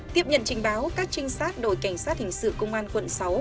tiếp nhận trình báo các trinh sát đội cảnh sát hình sự công an quận sáu